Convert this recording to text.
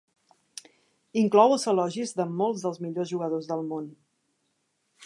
Inclou els elogis de molts dels millors jugadors del món.